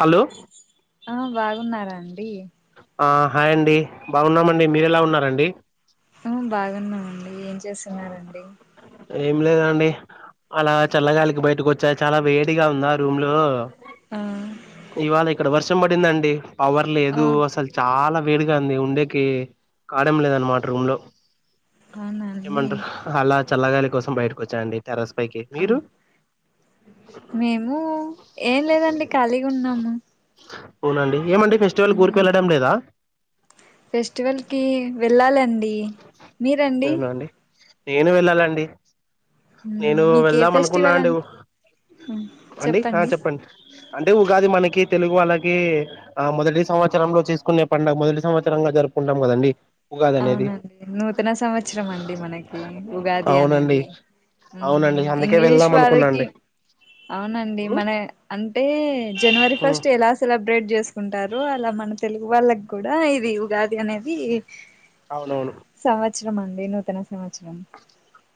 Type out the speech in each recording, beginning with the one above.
Hello ఆ బాగు ఉన్నారంండి ఆ హాయ్ అండి బాగున్నామండి మీరెలా ఉన్నారండి బాగున్నామండి ఏం చేస్తున్నండి ఏం లేదండి అలా చల్లగాలికి బయటకు వచ్చా చాలా వేడిగా ఉందా రూమ్ లో ఆ ఇవాళ ఇక్కడ వర్ష పడిందండి పవర్ ఆ లేదు అసలు చాలా వేడుగాంది ఉండేకి కాడం లేదన్నమాట రూమ్ లో అవునా అండి ఏమంట హాల చల్లగాలి కోసం బయటకు ఆ మీరు మేము ఏం లేదండి కలిగి ఉన్నాము అవునండి ఏమండి ఫెస్టివల్ ఊరికి వెళ్ళడం లేదా ఫెస్టివల్ కి వెళ్ళాలండి మీరండి అవునా అండి నేను వెళ్ళాలండి మ్మ్. నేను మీకు ఏ వెళ్దాం అనుకున్నా ఫెస్టివల్ అం అండి అండి ఆ చెప్పండి అంటే ఉగాది మనకి తెలుగు వాళ్ళకి ఆ మొదటి సంవత్సరంలో చేసుకునే పండుగ మొదటి సంవత్సరంగా జరుపుకుంటాం కదండి ఉగాది అనేది అవునండి నూతన సంవత్సరం అండి మనకి ఉగాది అవునండి అనేది అవునండి మ్మ్ అందుకే ఇంగ్లీష్ వెళ్దాం అనుకున్నా వారికి అండి అవునండి ఉమ్, మన అంటే జనవరి ఉమ్, ఫస్ట్ ఎలా సెలబ్రేట్ చేసుకుంటారు అలా మన తెలుగు వాళ్ళకి కూడా ఇది ఉగాది అనేది అవునవును చ్చరామ్ అండి నూతన సంవత్సరం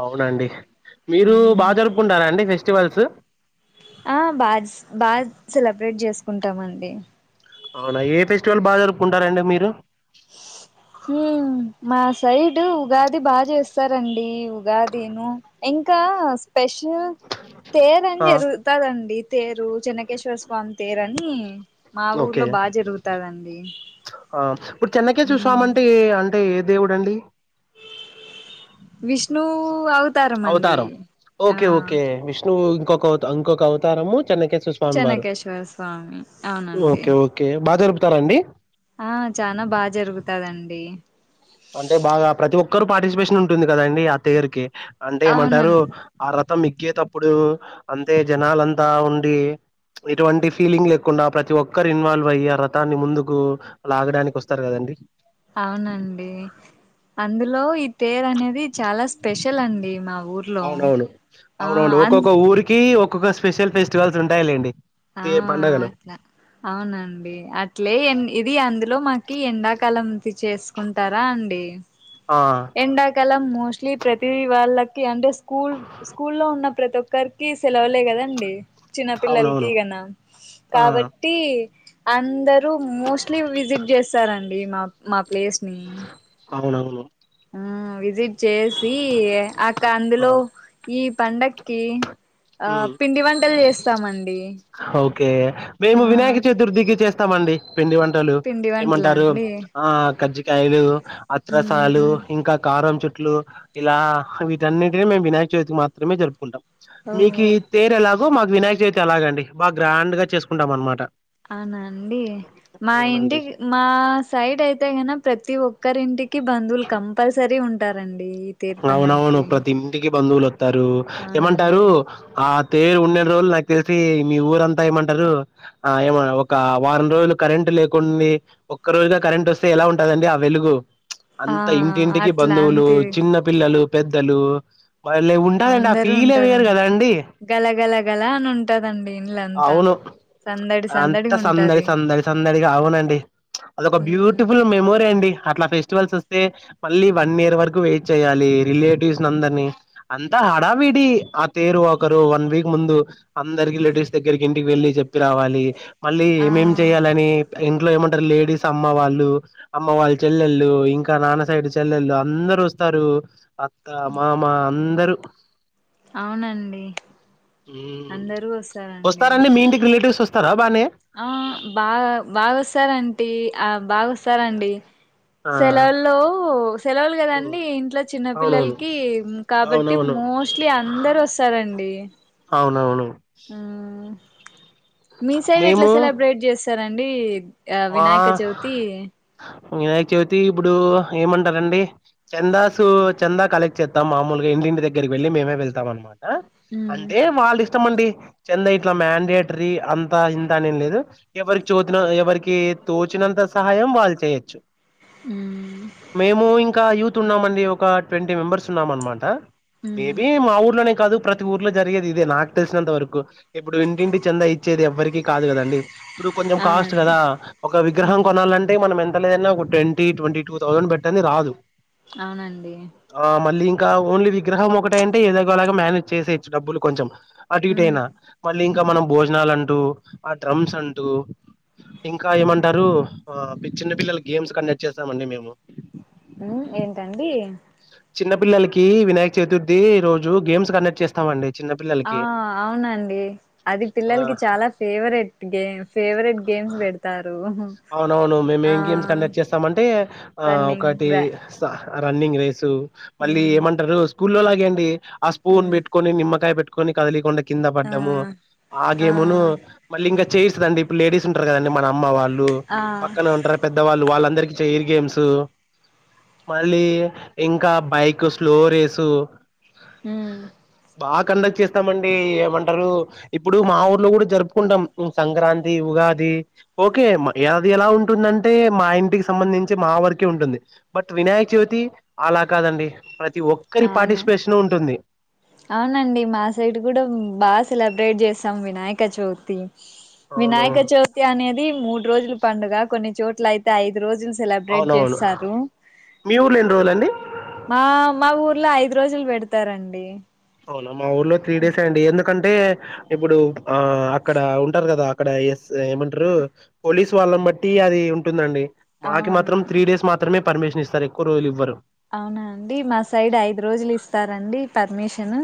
అవునండి మీరు మ్మ్. బాగా జరుపుకుంటారంండి ఫెస్టివల్ వల్స్ ఆ బా బా్ సెలబ్రేట్ చేసుకుంటామండి అవునా ఏ ఫెస్టివల్ బాగా జరుపుకుంటారంండి మీరు హ్మ మా సైడ్ ఉగాది బాగా చేస్తారంండి ఉగాదిను ఇంకా స్పెషల్ తేరు అని ఆ జరుగుతుదండి తేరు జనకేశ్వర్ పన్ తేరని మా ఓకే ఊర్లో బాగా జరుగుతాదండి ఆ ఇప్పుడు చిన్నకేశ్వర స్వామి అంటే అంటే ఏ దేవుడంండి విష్ణు అవ అవుతారం ఓకే ఓకే విష్ణు ఇొకంకొక అవతారమ్ము చిన్నకి స్మివారు చెన్నకేశ్వర స్వామి అవునండి ఓకే ఓకే బాద చెతారండి ఆ చనా బాగా జరుగుతదండి అంటే బాగా ప్రతి ఒక్కరుూ పార్టిసిపేషన్ ఉంటుంది కదాండి ఆ తథయర్ కి అంటే అవునం ఏమంటారు ఆ రతం ఎక్కేటప్పుడు అంతే జనాలంతా ఉండి ఇటువంటి ఫీలింగ్ లేకుండా ప్రతి ఒక్కరు ఇన్వాల్వ్ అయి ఆ రథాన్ని ముందుకు లాగడానికి వస్తారు కదండి అవునండి అందులో తేరు అనేది చాలా స్పెషల్ అండి మా ఊర్లో అవునవును. ఆ అ ఇక్కొక్క స్పెషల్ ఫెటివల్స్ ఉంటాయాలేండి ఆ అట్లా అవునండి అట్లే ఇది అందులో మాకు కి ఎండాకాలం చేసుకుంటారా అండి ఆ ఎండాకాలం మోస్ట్లీ ప్రతి వాళ్ళకి అంటే స్కూల్ స్కూల్లో ఉన్న ప్రతి ఒక్కరికి సెలవులే కదండి చిన్నపిల్లలకి అవునవును. గనా ఆ కాబట్టి అందరూ మోస్ట్లీ విజిట్ చేస్తారండి అీ మా మా ప్లేస్ ని కావునావును ఆ విజిట్ చేసి అక్క ఆ! అందులో ఈ పండక్కి ఆ పిండి వంటలు చేస్తామండి ఓకే మేము ఆ వినాయక చతుర్దిికి చేస్త ఇస్తామండి పిండి వంటలు పిండి వంటలా ఏమంటారు అండి ఆ క్జ కాలు అచ్చసాలు ఇంకా కారం చుట్టూ ట్లు ఇలా వీటన్నిటి మేము వినాయక చవితికి మాత్రమే జరుపుకుంటాం మీకు ఓ తేర ఎలా మాకు వినాయక చవితి అలాగండి బాగా గ్రాండ్ గా చేసుకుంటాం అనమాట అవునాండి మా అవునండి ఇంటికి మా సైడ్ అయితే కన ప్రతి ఒక్కరింటికి బంధువులు కంపల్సరీ ఉంటా ంటారంండి అవునవును ప్రతి ఇంటికి బందువులు- ారు అవునండి ఏమంటారు ఆ పేరు ఉడిన రోజులు నాకు తెలిసి మీ ఊరంతా ఏమంటారు ఆ ఏమ ఒక వారం రోజులు కరెంట్ లేకుండి ఒక్క రోజుగా కరెంట్ వస్తే ఎలా ఉంటదండి ఆ వెలుగు ఆ అంత ఇంటి ఇంటికి అట్లా బంధవులు అంతే పిల్లలు పెద్దలు వాళ్ళ ఉంటదండి ఆ అందరూ ఫీల్ అవ్యరు ఉంటారండి కదా అండి గల గల గల అని ఉంటదండి ఇండ్లంతా అవును సందడి అంతా సందడిగా సందడి ఉంటది సందడి సందడిగా అవునండి అదొక బ్యూటిఫుల్ మెమోరీ అండి అట్లా ఫెస్టివల్స్ వస్తే మళ్ళీ వన్ ఇయర్ వరకు వ చెయాలి రిలేటివ్స్ ని అందరిని అంతా హడావిడి ఆ తేరు ఒకరు వన్ వీక్ ముందు అందరి రిలేటివ్స్ దగ్గరికి ఇంటికి వెళ్ళి చెప్పి రావాలి మళ్ళీ ఆ ఏమేం చెయాలని ఇంట్లో ఏమంటారు లేడీస్ అమ్మ వాళ్ళు అమ్మ వాళ్ళ చెల్లెళ్ళు ఇంకా నాన్న సైడ్ చెల్లెళ్ళు అందరుూ వ ఇస్తారు అత్త మామ అంత ందరు అవునండి వస్తారండి మీ ఇంటికి రిలేటివ్స్ వస్త హలో ఆ బా బాగాస్తార్ అంత టీ అవు బాగోస్తారండి ఆ సెలవుల్లో సెలవులు ఉమ్, కదండి ఇంట్లో చిన్న అవునవును పిల్లలకి కాబట్టి అవునవును మోస్ట్లీ అందరూ వస్తారండి అవును ఆ మీ సైడ్ ఎట్లా మేము సెలబ్రేట్ చేస్తారని అండి ఆ మా వినాయక చవితి వినాయక చవితి ఇప్పుడు ఏమంటారండి చందాసు చందా కలెక్ట్ చెత్తాం మామూలుగా ఇంటింటి దగ్గరికి వెళ్ళి మేమే వెళ్తాం అన్నమాట మ్ అంటే వాళ్ళు ఇమండి చెంద ఇట్లా మండేటరీ అంత ఇంత అనేం లేదు ఎవరి చొతినో ఎవరికి తోచనంతర సహాయం వాల్చయచ్చు మ్ మేము ఇంకా యూత్ ఉన్నామండి ఒక ట్వంటీ మెంబర్స్ ఉన్నాం అనమాట మ్ మేబి మా ఊర్లోనే కాదు ప్రతి ఊర్లో జరిగేది ఇదే నాకు తెలిసినంత వరకు ఇప్పుడు ఇంటింటి చెంద ఇచ్చేది ఎవ్వరికీ కాదు కదండి ఇప్పుడు కొంచెం కాస్ట్ అవునండి కదా ఒక మ్ విగ్రహం కొనాలంటే మనం ఎంత లేదన్నా ఒక ట్వంటీ ట్వంటీ టూ థౌసండ్ పెట్టని రాదు అవునండి ఇ ఓన్లీ విగ్రహం ఒకట అంటే ఏదోలాగా మేనేజ్ చేసయచ్చు డబ్బులు కొంచెం అటు ఇటు మ్ అయినా మళ్ళీ ఇం ఇకా మనం భోజనాలు అంటూ ఆ డ్రమ్స్ అంటూ ఇంకా ఏమంటారు ఆ చిన్న పిల్లలు గేమ్స్ కండక్ట్ చేస్తామండి మేము ఉ ఏంటండి చిన్న పిల్లలకి వినాయక చతుర్థి రోజు గేమ్స్ కండక్ట్ చేస్తామండి చిన్న ఆ పిల్లలకి అవునండి అది ఆ పిల్లలకి చాలా ఫేవరెట్ గేమ్ ఫేవరెట్ గేమ్స్ పెడతారు అవునవును మేము ఆ ఏం గేమ్స్ కండక్ట్ చేస్తామంటే ఆ రన్నింగ్ ఒకటి రా రన్నింగ్ రేసు మళ్ళీ ఉమ్ ఏమంటారు స్కూల్లోలాగ అండి ఆ స్పూన్ ఉమ్ పెట్కొని నిమ్కాయ పెట్క కొన్ని కదిలికుండా కింద ఆ పడ్డము ఆ గేమును మళ్ళీ ఇంకా చేయిస్తుదండి లేడీస్ ఉంటారు కదండి మనమ్ వాళ్ళు ఆ పక్కనే ఉంటారు పెద్దవాళ్ళు వాళ్ళ అందరికి చెైయిర్ గేమ్స్ మళ్ళీ ఇంకా బైక్ స్లో రేసు ఉమ్ బాగా కండక్ట్ చేస్తామండి ఏమంటారు ఇప్పుడు మా ఊర్లో కూడా జరుపుకుంటాం సంక్రాంతి ఉగాది ఓకే ఏది ఎలా ఉంటుందంటే మా ఇంటికి సంబంధించి మా వరకే ఉంటుంది బట్ వినాయక చ్యవితి అలా కాదండి ప్రతి ఒక్కరి అవున పార్టిసిపేషన్ ఉంటుంది అవునండి మా సైడ్ కూడా బాగా సెలబ్రేట్ చెస్ సం వినాయక జ్యోతి వినాయక అవునవును చవితి అనేది మూడు రోజులు పండుగ కొన్ని చోట్ల అయితే ఐదు రోజులు సెలబ్రేట్ అవునవును చేస్తారు మీ ఊర్లో ఎన్ని రోజులండి మా మా ఊర్లో ఐదు రోజులు పెడతారండి అవునా మా ఊర్లో త్రీ డేస్ అండి ఎందు ఎకంటే ఇప్పుడు ఆ అక్కడ ఉంటారు కదా అక్కడ ఎస్ ఏమంటారు పోలీసు వాళ్ళం బట్టి అది ఉంటుందండి బాకి మాత్రం అవునవును త్రీ డేస్ మాత్రమే పర్మిషన్ ఇస్తారు ఎక్కువ రోజులు ఇవ్వరు అవునా అండి మా ఎన్న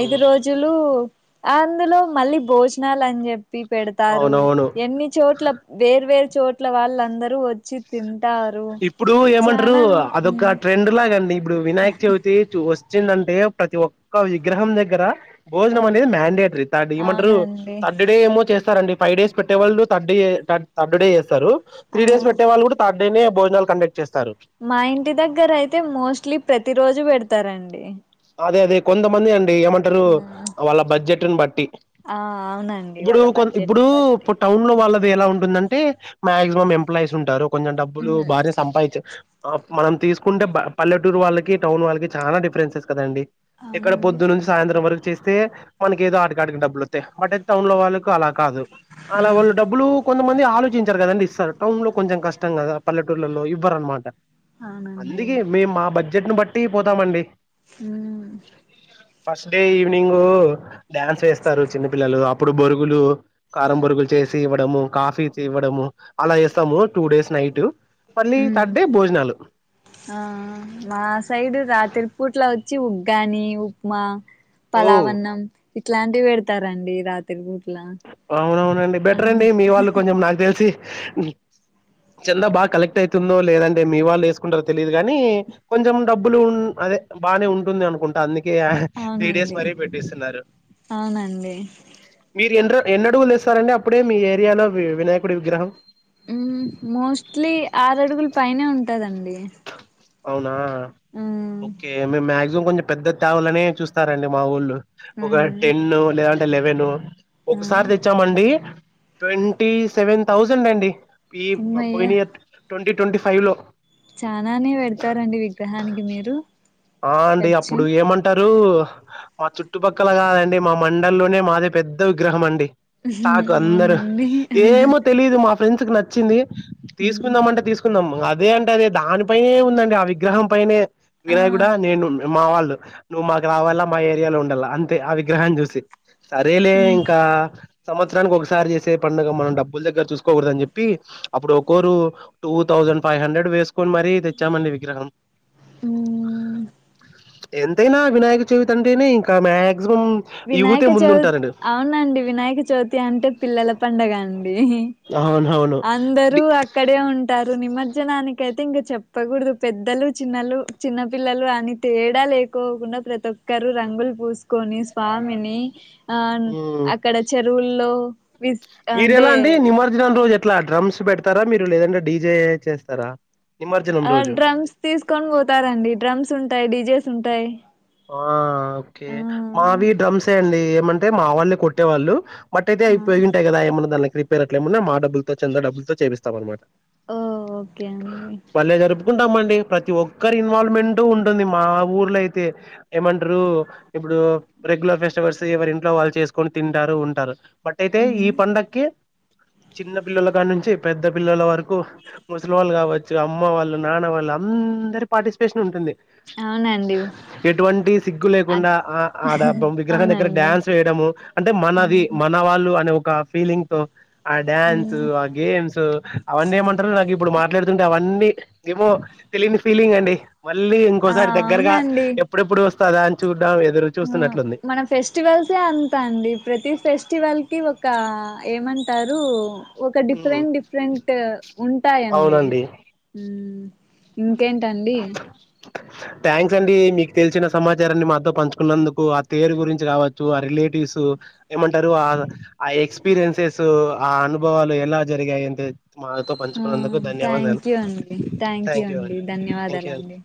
ఐదు ఉమ్. రోజులు అందులో మళ్ళీ భోజనాలు అని చెప్పి ప్పి పెడతారు అవునవును ఎన్ని చోట్ల వేర్వేరు చోట్ల వాళ్ళందరూ వచ్చి తి ఇప్పుడు ఏమంటారు అదొక హ్మ్. ట్రెండ్ లాగాండి ఇప్పుడు వినాయక చేవతేూ వస్త వచ్చిందంటే ప్రతి ఒక్క విగ్రహం దగ్గర భోజనం హ్మ్. అనేది మ్యాండేటరీ థర్డ్ ఏమంటారు అవునండి థర్డ్ డే ఏమో చేస్తారారండి ఫైవ్ డేస్ పెట్టేవాళ్ళు థర్డ్ థర్డ్ డేస్త ఆ త్రీ డేస్ పెట్టే వాళ్ళు కూడా త నే బోజనాలు కండక్ట్ మా ఇంటి దగ్గర అయితే మోస్ట్లీ ప్రతి రోజు పెడతారండి అదే అదే కొంత మంది అ ఏమంటారు ఆ వాళ్ళ బడ్జెట్ న్ పట్టి ఆ! అవునండి ఇప్పుడు వాళ్ళ కొ బడ్జెట్ ఇప్పుడు ని బట్టి ఇప్పు టౌన్ లో వాళ్ళ ఎలా ఉంటుందంటే మాక్సిమం ఎంప్లాయీస్ ఉంటారు కొంచెం డబ్బులు హ్మ్. భార్య సంపాదించు మనం తీసుకుంటే పల్లెటూరు వాళ్ళకి టౌన్ వాళ్ళకి చాలా డిఫరెన్సెస్ ద అండి ఇక్కడ అవునండి పొద్దు నుంచి సాయంత్రం వరకు చేసి స్తే మనక ఏదో అడికాడికి డబ్బులు వస్తాయి బట్తే టౌన్ లో వాళ్ళకు అలా కాదు అలా హ్మ్. వాళ్ళు డబ్బులు కొంతమంది ఆలోచించారు కదండి సార్ టౌన్ లో కొంచెం కష్టం కదా పల్లెటూర్లలో ఇవ్వరు అనమాట అవునండి అందుకే మేము మా బడ్జ చెట్టును బట్టి పోతామండి అ ఫస్ట్ డే ఈవనింగ డ్యాన్స్ వేస్తారు చిన్న పపిల్లలు అప్పుడు బొరుగులు కారం బొరుగులు చేసి ఇవ్వడము కాఫీ ఇవ్వడము అలా చేస్తాము టూ డేస్ నైట్ మళ్ళీ థర్డ్ డే భోజనాలు ఆ మా సైడ్ త్రి పుట్లా వచ్చి ఉగ్గాని ఉప్మా ఓ పలావన్నం ఇట్లాంటివి పెడతారండి రాత్రి పూర్తి అవునవునండి బెటర్ అండి మీ వాళ్ళు కొంచెం నాకు తెలిసి చందా బాగా కలెక్ట్ అయితుందో లేదంటే మీ వాళ్ళు వేసుకుంటారో తెలిదు కాగానీ కొంచెం డబ్బులు అదే బాగానే ఉంటుంది అనుకుంటా అందుక త్రీ డేస్ అవునండి మరీ పెట్టిస్తున్నారు అవునండి ఎ ఎన్న అడుగులు ఇస్తారండి అప్పుడే మీ ఏరియాలో వినాయకుడి విగ్రహం ఉమ్ మోస్ట్లీ ఆరడుగుల పైనే ఉంటాదండి అ అవునా ఓకే మ్యాగ ం కొంచెం పెద్ద తేవలనే చూస్తారండి మాఊళ్ళు ఒక ఉమ్ టెన్ లేదంటే సలెవెను ఆ ఒకసారి తెచ్చామండి ట్వంటీ సెవెన్ థౌజండ్ అండి ఈ అమ్మయ్య పోయిని ఎ ట్వంటీ ట్వంటీ ఫైవ్ లో చానాానే పెడతారండి విగ్రహానికి మీరు అండి ఖర్చు అప్పుడు ఏమంటారు మా చుట్టుపక్కల కాదండి మా మండల్లోనే మాదే పెద్ద విగ్రహం అండి తకు అందరు అవునండి ఏమో తెలిదు మా ఫ్రెండ్స్ కు నచ్చింది తీసుకుందాంమంటే తీసుకుందాంమా అదే అంటడి అదే దానిపైనే ఉందండి ఆ విగ్రహం పనే ఆ వి్రహ కూడా నేను మా వాళ్ళు నువ్వు మాకు కా రావాల మా ఏరియాలో ఉండాల అంతే ఆ విగ్రహాన్ని చూసి సరేలే ఉమ్ ఇంకా సంవత్సరానికి ఒకసారి చేసే పండుగ మనం డబ్బుల దగ్గర చూసుకోకూడ అని చెప్పి అప్పుడు ఒకరు టూ థౌజండ్ ఫైవ్ హండ్రెడ్ వేసుకొని మర తెచ్చామండి విగ్రహం అ ఎంతైనా వినాయక చవితి అంటేనే ఇంకా మ్యాక్ వినాయక చవితి అవునండి వినాయక చవితి అంటే పిల్లల పండగ అండి అవునవును. అందరూ డి అక్కడే ఉంటారు నిమజ్జనాకయితే ఇంకా చెప్పకూడదు పెద్దలు చిన్నలు చిన్న పిల్లలు అని తేడా లేకోకుండా ప్రతి క్కరు రంగులు పూసుకొని ని అక్కడ చెరువు హలో మీర ఎలా అండి. నిమజ్జనం రోజే అట్లా డ్రమ్స్ పెడతారా, మీరు లేదంటే డీజే చేస్తారా నిమజ్జనం ఆ రోజు. డ్రమ్స్ తీసుకొని పోతారండి. డ్రమ్స్ ఉంటాయి. డీజే ఉంటాయి. ఆ ఓకే ఆ మావి డ్రమ్సే అండి అంటే మా వాళ్ళే కొట్టేవాళ్ళు బట్ అయితే ఆ ఇ ప్రజెంటయి కదా ఏమన్నుంద రీ పేర్ అట్ల ఏం ఉన్నా మా డబ్బుల్తో చంద డబ్బుల్తో చేపిస్తాం అన్నమాట ఓ ఓకే అండి ఉంటామండి ప్రతి ఒక్క ఒక్కరి ఇన్వాల్వ్మెంట్ ఉం టుంది మా ఊర్లో అయితే ఏమంటారు. ఇప్పుడు రెగ్యులర్ ఫెస్టివల్స్ ఎవరి ఇంట్లో వాళ్ళు చేసుకొని తింటారు ఉంటారు. బట్ అయితే ఈ హ్మ్. పండక్కి చిన్న పిల్లల కాడి నుంచి పెద్ద పిల్లల వరకు ముసలి వాళ్ళు కావచ్చు. అమ్మ వాళ్ళు, నాన్న వాళ్ళు అందరి పార్టిసిపేషన్ ఉంటుంది. అవునండి ఎటువంటి సిగ్గు అ లేకుండా ఆ ఆడబ్బ విగ్రహా దగ్గర అవునండి డ్యాన్స్ వేయడము. అంటే మనది. హ్మ్. మన వాళ్ళు అనే ఒ క్క ఫీలింగ్తో ఆ డ్యాన్స్ హ్మ్. ఆ గేమ్స్ అవన్నీ ఏమంటారు నాకు ఇప్పుడు మ ట్లాడుతుంటే అవన్నీ ఏమో తెలియని ఫీలింగ్ అండి మళ్ళీ ఆ ఇంకోసారి దగ్గరగా అవునండి డు వస్తాదా అని చూడ్ ఆ మన ఫెస్టివల్సే అంతా అండి ప్రతి ఫెస్టివల్ కి ఒ కా ఏమంటారు ఒక ఉమ్, డిఫరెంట్ డిఫరెంట్ ఉంటాయండి‌ ఉ హ్ ఓ థ్యాంక్స్ అండి. మీకు తెలిసిన సమాచారాన్ని మాతో పంచుకున్నందుకు. ఆ తేరు గురించి కావచ్చు ఆ రిలేటివ్స్ ఏమంటారు. ఆ ఆ ఎక్స్పీరియన్సెస్ ఆ అనుభవాలు ఎలా జరిగాయి అంతే మాతో ఆ! పంచుకున్నందుకు ధన్యవాదాలు. థ్యాంక్ యూ అం న్యవాదాలండి.